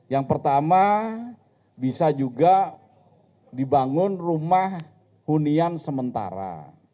yang pertama bisa juga dibangun rumah hunian sementara